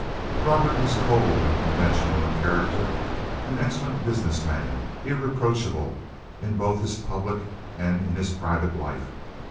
Robert was cold and conventional in character; an excellent business man; irreproachable in both his public and in his private life.